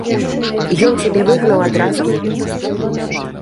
Ён цябе выгнаў адразу?